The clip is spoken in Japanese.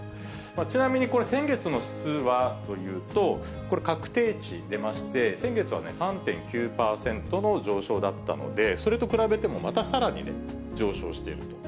ちなみにこれ、先月の指数はというと、これ、確定値出まして、先月は３．９％の上昇だったので、それと比べても、またさらにね、上昇していると。